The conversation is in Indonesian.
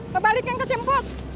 kebalikin ke simput